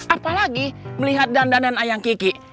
apalagi melihat dandan dandan ayang kiki